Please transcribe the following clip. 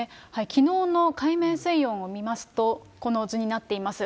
きのうの海面水温を見ますと、この図になっています。